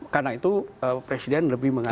karena itu presiden lebih mengatakan